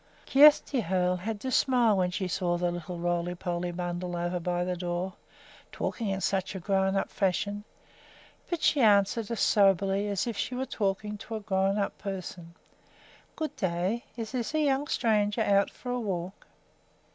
Kjersti Hoel had to smile when she saw the little roly poly bundle over by the door, talking in such a grown up fashion. But she answered as soberly as if she also were talking to a grown up person: "Good day. Is this a young stranger out for a walk?"